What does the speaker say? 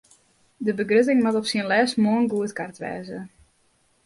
De begrutting moat op syn lêst moarn goedkard wêze.